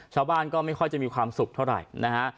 ชาวบ้านก็ไม่ค่อยจะมีความสุขเท่าไหร่นะฮะ